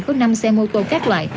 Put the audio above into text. có năm xe mô tô các loại